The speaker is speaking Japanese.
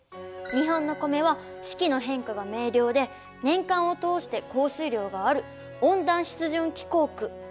日本のお米は四季の変化が明瞭で年間を通して降水量がある温暖湿潤気候区。